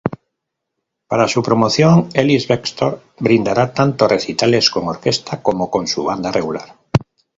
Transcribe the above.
Para su promoción, Ellis-Bextor brindará tanto recitales con orquesta como con su banda regular.